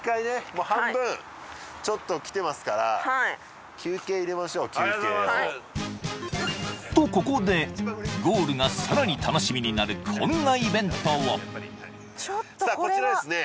もう半分ちょっと来てますから休憩入れましょう休憩をありがとうございますとここでゴールがさらに楽しみになるこんなイベントをさあこちらですね